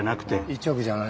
１億じゃないの。